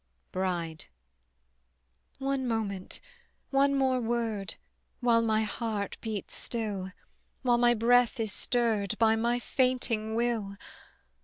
BRIDE. One moment, one more word, While my heart beats still, While my breath is stirred By my fainting will.